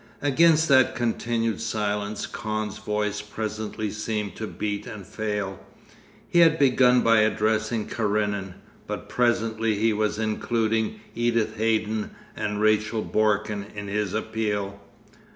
Against that continued silence Kahn's voice presently seemed to beat and fail. He had begun by addressing Karenin, but presently he was including Edith Haydon and Rachel Borken in his appeal.